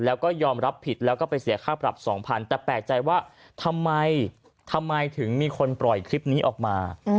แล้วก็ยอมรับผิดแล้วก็ไปเสียค่าปรับ๒๐๐แต่แปลกใจว่าทำไมทำไมถึงมีคนปล่อยคลิปนี้ออกมา